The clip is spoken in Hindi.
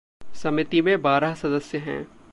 समिति में बारह सदस्य हैं।